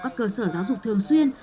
các cơ sở giáo dục thường xuyên